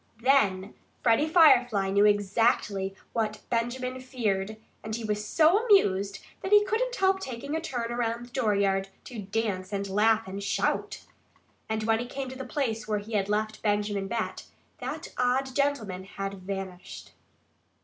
Then Freddie Firefly knew exactly what Benjamin feared. And he was so amused that he couldn't help taking a turn around the dooryard, to dance and laugh and shout. And when he came back to the place where he had left Benjamin Bat, that odd gentleman had vanished.